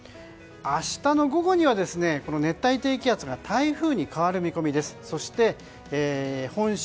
明日の午後には熱帯低気圧が台風に変わる見込みです。